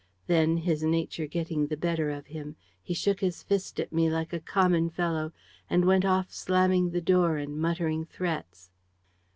Then, his nature getting the better of him, he shook his fist at me, like a common fellow, and went off slamming the door and muttering threats.